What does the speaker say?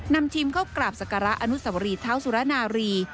นำทีมเข้ากราบสการะอนุสวรีเท้าสุรนารี